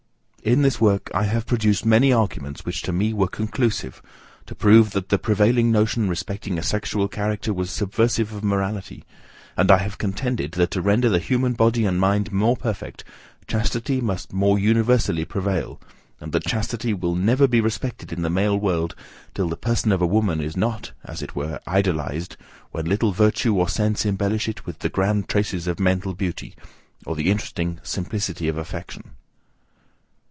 In this work I have produced many arguments, which to me were conclusive, to prove, that the prevailing notion respecting a sexual character was subversive of morality, and I have contended, that to render the human body and mind more perfect, chastity must more universally prevail, and that chastity will never be respected in the male world till the person of a woman is not, as it were, idolized when little virtue or sense embellish it with the grand traces of mental beauty, or the interesting simplicity of affection.